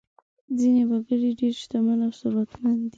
ځینې وګړي ډېر شتمن او ثروتمند دي.